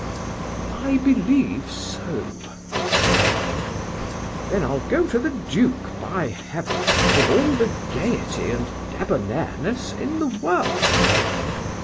I believe so, said I.—Then I'll go to the Duke, by heaven! with all the gaiety and debonairness in the world.